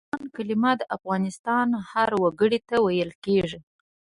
د افغان کلمه د افغانستان هر وګړي ته ویل کېږي.